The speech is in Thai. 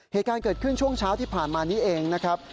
เหตุการณ์เกิดขึ้นช่วงเช้าที่ผ่านมานี้เองนะครับ